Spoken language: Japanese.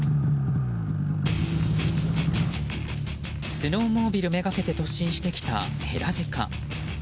スノーモービルめがけて突進してきたヘラジカ。